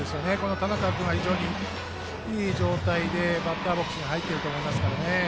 田中君も非常にいい状態でバッターボックスに入っていると思いますからね。